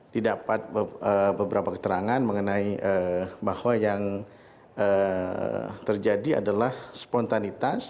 didapat beberapa keterangan mengenai bahwa yang terjadi adalah spontanitas